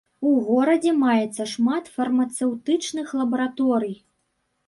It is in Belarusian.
У горадзе маецца шмат фармацэўтычных лабараторый.